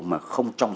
mà không trong